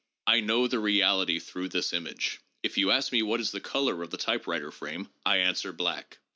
I know the reality through this image. If you ask me what is the color of the typewriter frame, I answer, ' Black.'